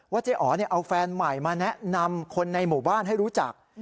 เจ๊อ๋อเอาแฟนใหม่มาแนะนำคนในหมู่บ้านให้รู้จัก